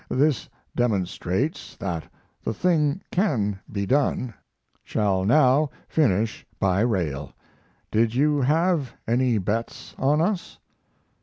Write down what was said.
This demonstrates that the thing can be done. Shall now finish by rail. Did you have any bets on us?